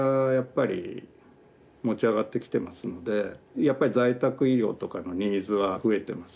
やっぱり在宅医療とかのニーズは増えてます